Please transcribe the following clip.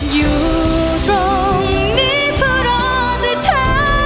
อยู่ตรงนี้เพราะรอแต่เธอ